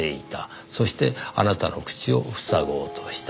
そしてあなたの口を塞ごうとした。